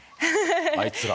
あいつら。